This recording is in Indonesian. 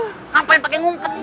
ngapain pake ngumpet di sini